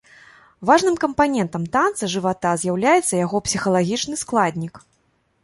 Важным кампанентам танца жывата з'яўляецца яго псіхалагічны складнік.